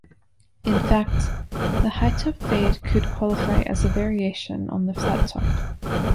In fact, the hi-top fade could qualify as a variation on the flattop.